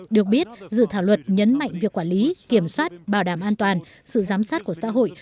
được biết dự thảo luật nhấn mạnh việc quản lý kiểm soát bảo đảm an toàn sự giám sát của xã hội